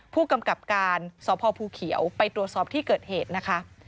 ผู้กำกับการสพภูเขียวไปตรวจสอบที่เกิดเหตุนะคะ